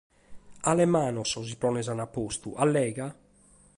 Cales manos sos isprones ant postu, allega?